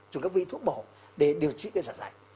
dùng các vi thuốc bổ để điều trị cái dạ dày